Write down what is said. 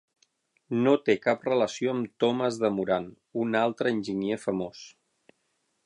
No té cap relació amb Thomas D. Moran, un altre enginyer famós.